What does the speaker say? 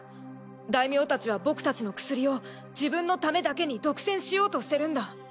大名たちは僕たちの薬を自分のためだけに独占しようとしてるんだ。